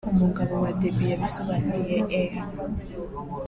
umugabo wa Debbie yabisobanuriye E